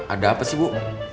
ada apa sih bu